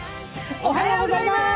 おはようございます。